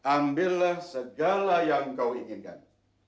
ambillah segala yang kau inginkan